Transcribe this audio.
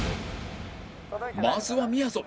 まずはみやぞん